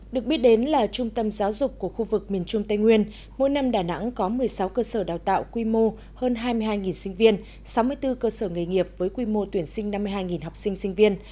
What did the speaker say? được biết đến là trung tâm giáo dục của khu vực miền trung tây nguyên mỗi năm đà nẵng có một mươi sáu cơ sở đào tạo quy mô hơn hai mươi hai sinh viên sáu mươi bốn cơ sở nghề nghiệp với quy mô tuyển sinh năm mươi hai học sinh sinh viên